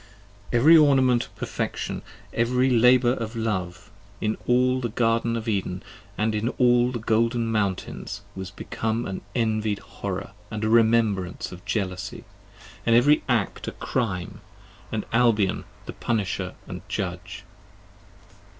EVERY ornament of perfection, and every labour of love, In all the Garden of Eden, & in all the golden mountains, Was become an envied horror, and a remembrance of jealousy: And every Act a Crime, and Albion the punisher & judge.